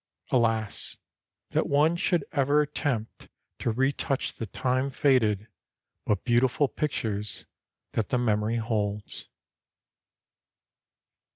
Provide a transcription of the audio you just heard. Alas! That one should ever attempt to retouch the time faded but beautiful pictures that the memory holds.